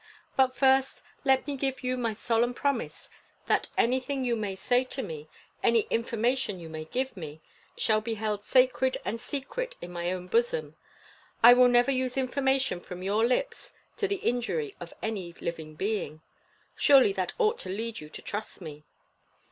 But, first, let me give you my solemn promise that anything you may say to me any information you may give me shall be held sacred and secret in my own bosom. I will never use information from your lips to the injury of any living being. Surely that ought to lead you to trust me."